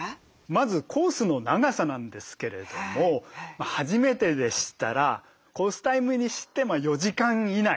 まずコースの長さなんですけれども初めてでしたらコースタイムにして４時間以内。